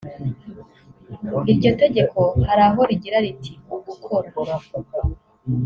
Iryo tegeko hari aho rigira riti “Ugukora